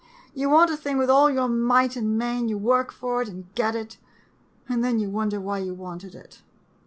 You want a thing with all your might and main, you work for it — and get it — and then you wonder why you wanted it.